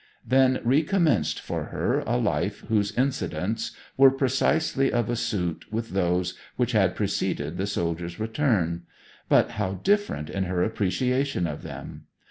Then recommenced for her a life whose incidents were precisely of a suit with those which had preceded the soldier's return; but how different in her appreciation of them!